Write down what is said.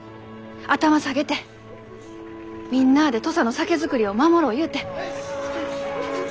頭下げてみんなあで土佐の酒造りを守ろうゆうて。